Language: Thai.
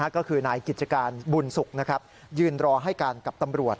ก็คือนายกิจการบุญสุขยืนรอให้การกับตำรวจ